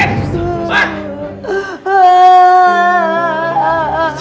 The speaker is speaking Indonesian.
ngambil uang pesantren